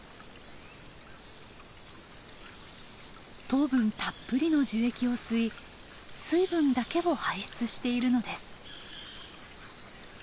糖分たっぷりの樹液を吸い水分だけを排出しているのです。